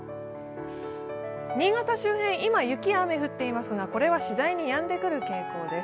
新潟周辺、今、雪や雨が降っていますが、次第にやんできそうです。